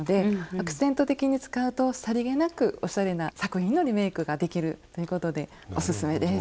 アクセント的に使うとさりげなくおしゃれな作品のリメイクができるということでおすすめです。